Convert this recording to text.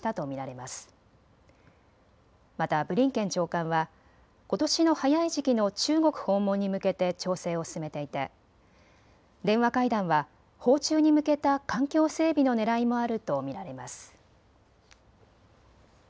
またブリンケン長官はことしの早い時期の中国訪問に向けて調整を進めていて電話会談は訪中に向けた環境整備のねらいもあると見られます。